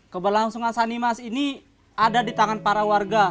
keberlangsungan sanimas ini ada di tangan para warga